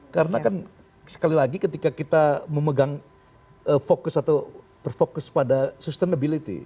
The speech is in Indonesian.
karena kan sekali lagi ketika kita memegang fokus atau berfokus pada sustainability